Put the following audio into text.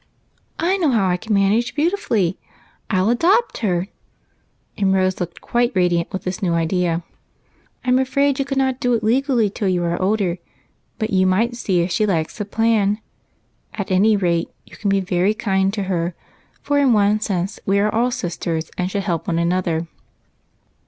I know how I can manage beautifully ; I '11 adopt her !" and Rose looked quite radiant with this new idea. " I 'm afraid you could not do it legally till you are older, but you might see if she likes the j^lan, and at any rate you can be very kind to her, for in one sense we are all sisters, and should help one another."